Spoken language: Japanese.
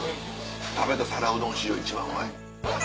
食べた皿うどん史上一番うまい。